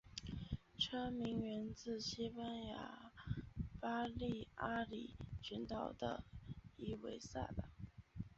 车名源自西班牙巴利阿里群岛的伊维萨岛。